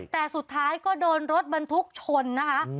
แต่สุดท้ายก็โดนรถบรรทุกชนนะคะ